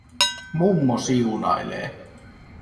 Mummo siunailee.